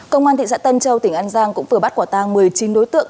công an thị xã tân châu tỉnh an giang cũng vừa bắt quả tang một mươi chín đối tượng